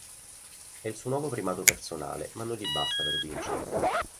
È il suo nuovo primato personale ma non gli basta per vincere.